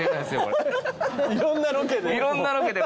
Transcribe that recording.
いろんなロケで。